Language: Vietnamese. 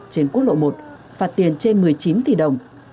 trên quốc lộ một phạt tiền trên một mươi chín tỷ đồng